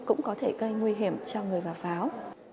cũng có thể gây nguy hiểm cho người và pháo